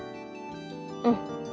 うん。